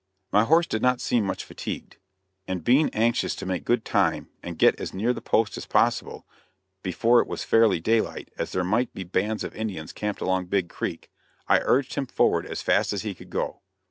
My horse did not seem much fatigued, and being anxious to make good time and get as near the post as possible before it was fairly daylight as there might be bands of Indians camped along Big Creek, I urged him forward as fast as he could go.